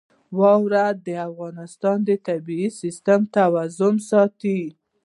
واوره د افغانستان د طبعي سیسټم توازن ساتي.